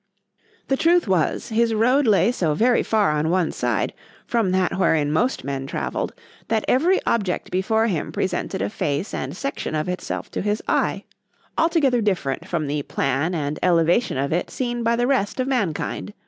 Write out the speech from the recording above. ——The truth was, his road lay so very far on one side, from that wherein most men travelled,—that every object before him presented a face and section of itself to his eye, altogether different from the plan and elevation of it seen by the rest of mankind.